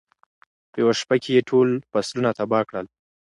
په یوه شپه کې یې ټول فصلونه تباه کړل.